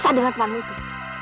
jangan dengar panggilan itu